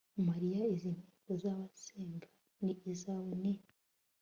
mariya izi nteko z'abasenga ni izawe ni